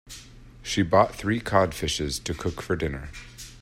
She bought three cod fishes to cook for dinner.